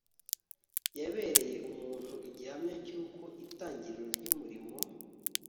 Yabereye umuntu igihamya cyuko itangiriro ryumurimo